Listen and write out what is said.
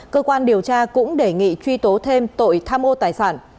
cơ quan điều tra cũng đề nghị truy tố thêm tội tham ô tài sản